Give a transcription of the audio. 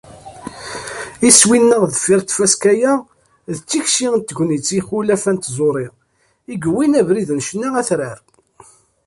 Iswi-nneɣ deffir tfaska-a, d tikci n tegnit i yixulaf-a n tẓuri i yewwin abrid n ccna atrar.